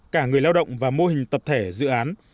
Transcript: cả người lao động và mô hình tập thể dự án